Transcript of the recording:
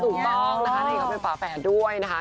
อ๋อถูกต้องนะคะเขาเป็นตัวละครฝาแฟด้วยนะคะ